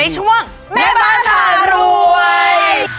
ในช่วงแม่บ้านผ่านรวย